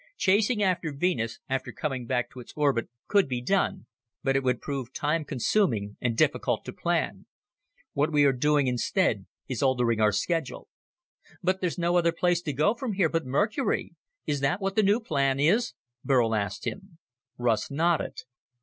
Chasing after Venus, after coming back to its orbit, could be done, but it would prove time consuming and difficult to plan. What we are doing instead is altering our schedule." "But then there's no other place to go from here but Mercury. Is that what the new plan is?" Burl asked him. Russ nodded.